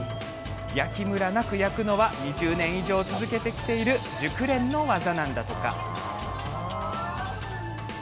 焼きムラなく焼くのは２０年以上続けている熟練の技なんだとか。